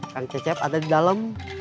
kang cecep ada di dalam